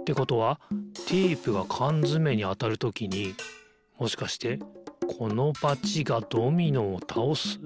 ってことはテープがかんづめにあたるときにもしかしてこのバチがドミノをたおす？